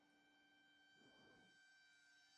Anida en el suelo, generalmente cerca de cuerpos de agua.